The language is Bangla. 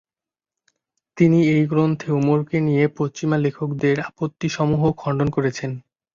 তিনি এই গ্রন্থে উমরকে নিয়ে পশ্চিমা লেখকদের আপত্তি সমূহ খণ্ডন করেছেন।